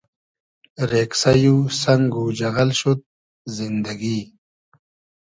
رېگسݷ و سئنگ و جئغئل شود زیندئگی